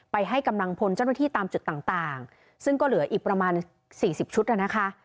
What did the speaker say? ให้กำลังพลเจ้าหน้าที่ตามจุดต่างซึ่งก็เหลืออีกประมาณ๔๐ชุดนะคะ